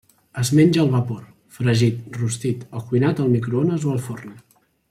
Es menja al vapor, fregit, rostit o cuinat al microones o al forn.